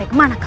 hai kemana kau